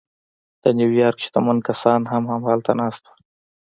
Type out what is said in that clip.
د نیویارک شتمن کسان هم هلته ناست وو